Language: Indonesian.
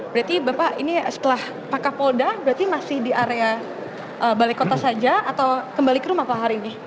berarti bapak ini setelah pak kapolda berarti masih di area balai kota saja atau kembali ke rumah pak hari ini